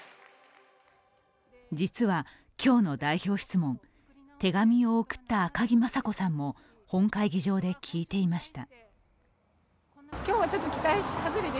実は今日の代表質問、手紙を送った赤木雅子さんも本会議場で聞いていました。